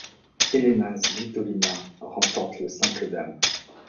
Elina Svitolina remporte le simple dames.